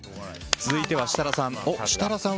続いては設楽さん。